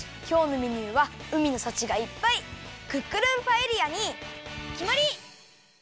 きょうのメニューはうみのさちがいっぱいクックルンパエリアにきまり！